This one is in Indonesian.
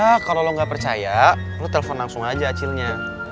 nah kalau lo gak percaya lo telepon langsung aja cilnya